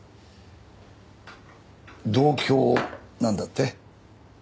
同郷なんだって？